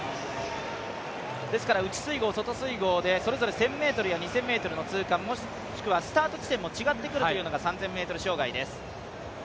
内水濠、外水濠でそれぞれ１０００ｍや２０００ｍの通過、もしくはスタート地点も違ってくるというのが３０００ｍ障害です。